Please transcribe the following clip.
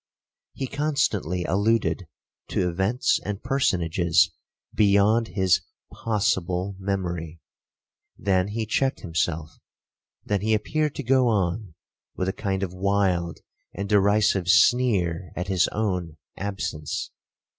'He constantly alluded to events and personages beyond his possible memory,—then he checked himself,—then he appeared to go on, with a kind of wild and derisive sneer at his own absence.